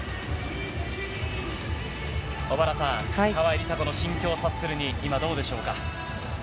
小原さん、川井梨紗子の心境を察するに、今、どうでしょうか。